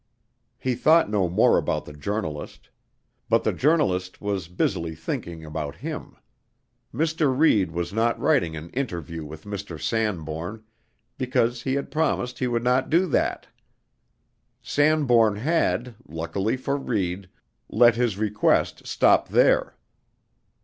He thought no more about the journalist. But the journalist was busily thinking about him. Mr. Reid was not writing an "interview" with Mr. Sanbourne, because he had promised he would not do that. Sanbourne had, luckily for Reid, let his request stop there.